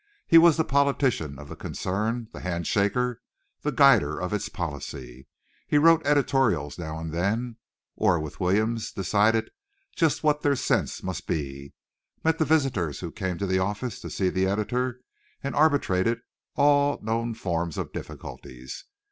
He was the politician of the concern, the handshaker, the guider of its policy. He wrote editorials now and then, or, with Williams, decided just what their sense must be, met the visitors who came to the office to see the editor, and arbitrated all known forms of difficulties.